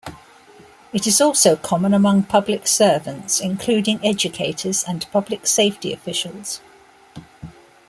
It is also common among public servants including educators and public safety officials.